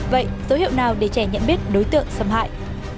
vậy dấu hiệu nào để trẻ nhận biết đối tượng xâm hại